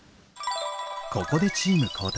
ここでチーム交代。